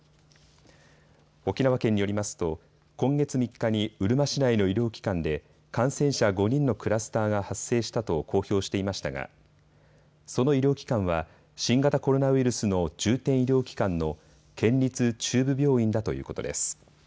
沖縄県によりますと今月３日にうるま市内の医療機関で感染者５人のクラスターが発生したと公表していましたがその医療機関は新型コロナウイルスの重点医療機関の県立中部病院だということです。